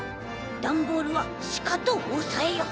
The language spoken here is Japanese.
「ダンボールはしかとおさえよ！」。